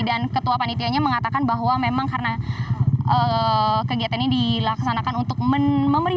dan ketua panitianya mengatakan bahwa memang karena kegiatan ini dilaksanakan untuk memeriahkan hutba yang karang ini